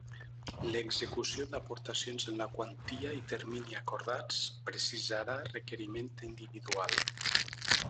L'execució d'aportacions en la quantia i termini acordats, precisarà requeriment individual.